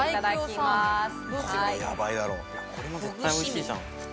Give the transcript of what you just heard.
これも絶対おいしいじゃん。